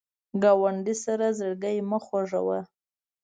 ګاونډي سره زړګی مه خوږوه